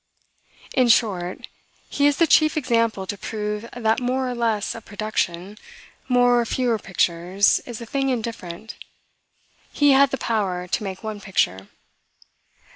In short, he is the chief example to prove that more or less of production, more or fewer pictures, is a thing indifferent. He had the power to make one picture.